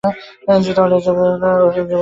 তিনি আজীবন সংশ্লিষ্ট ছিলেন।